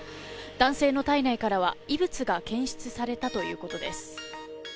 男性の体内からは異物が検出されたということです。